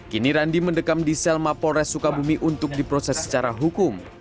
kini randi mendekam di sel mapolres sukabumi untuk diproses secara hukum